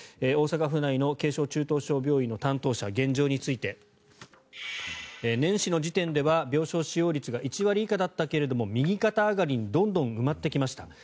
大阪府内の軽症・中等症病院の担当者現状について年始の時点では病床使用率が１割以下だったけども右肩上がりにどんどん埋まってきました。